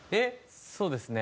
そうですね。